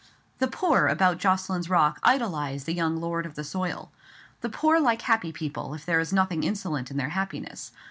The poor about Jocelyn's Rock idolized the young lord of the soil. The poor like happy people, if there is nothing insolent in their happiness.